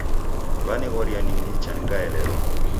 Wanighoria ningicha ngaelelwa